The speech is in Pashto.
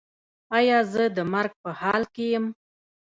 ایا زه د مرګ په حال کې یم؟